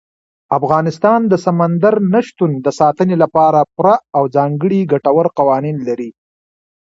افغانستان د سمندر نه شتون د ساتنې لپاره پوره او ځانګړي ګټور قوانین لري.